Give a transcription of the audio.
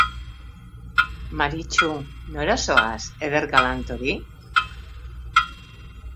Maritxu, nora zoaz, eder galant hori?